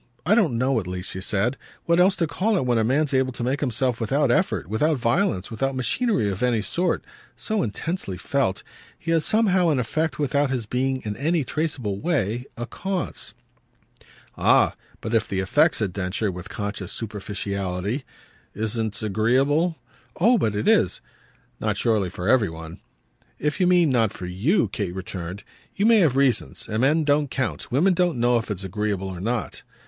I don't know at least," she said, "what else to call it when a man's able to make himself without effort, without violence, without machinery of any sort, so intensely felt. He has somehow an effect without his being in any traceable way a cause." "Ah but if the effect," said Densher with conscious superficiality, "isn't agreeable ?" "Oh but it is!" "Not surely for every one." "If you mean not for you," Kate returned, "you may have reasons and men don't count. Women don't know if it's agreeable or not."